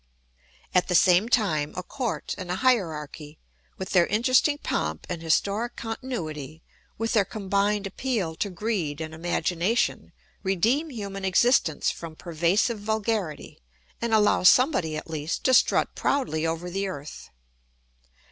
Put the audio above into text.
At the same time a court and a hierarchy, with their interesting pomp and historic continuity, with their combined appeal to greed and imagination, redeem human existence from pervasive vulgarity and allow somebody at least to strut proudly over the earth.